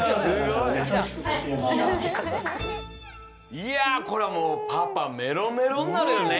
いやこれはもうパパメロメロになるよねえ。